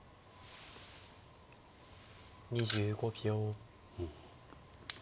２５秒。